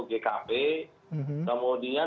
harga sebelumnya harga sebelumnya